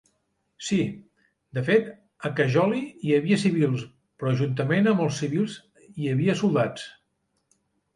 Sí, de fet, a Khojaly hi havia civils, però juntament amb els civils hi havia soldats.